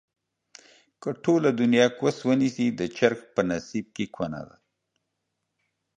که ټوله دنياکوس ونسي ، د چرگ په نصيب کونه ده